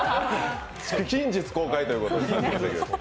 近日公開ということで。